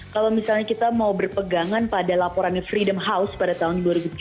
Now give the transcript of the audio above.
kalau misalnya kita mau berpegangan pada laporannya freedom house pada tahun dua ribu tujuh belas